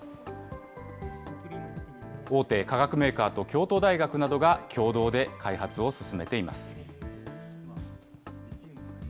大手化学メーカーと京都大学などが、共同で開発を進めています。